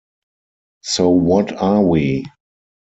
So what are we?